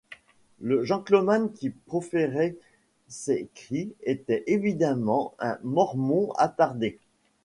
Le gentleman qui proférait ces cris était évidemment un Mormon attardé.